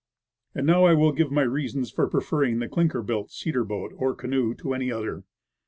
And now I will give my reasons for preferring the clinker built cedar boat, or canoe, to any other.